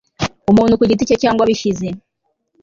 umuntu kugiti cye cyangwa abishyize l